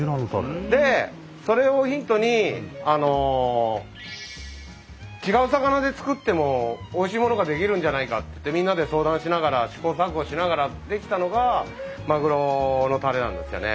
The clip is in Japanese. でそれをヒントに違う魚で作ってもおいしいものが出来るんじゃないかってみんなで相談しながら試行錯誤しながら出来たのがまぐろのたれなんですよね。